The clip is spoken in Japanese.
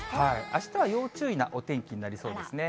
あしたは要注意なお天気になりそうですね。